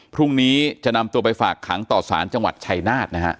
พรุ่งนี้จะนำตัวไปฝากขังต่อสารจังหวัดชัยนาฏนะฮะ